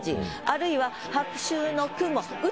あるいは「白秋の雲撃つ」。